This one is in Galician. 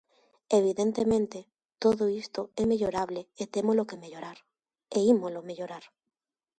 Evidentemente, todo isto é mellorable e témolo que mellorar, e ímolo mellorar.